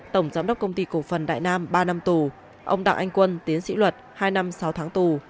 tổng giám đốc công ty cổ phần đại nam ba năm tù ông đặng anh quân tiến sĩ luật hai năm sáu tháng tù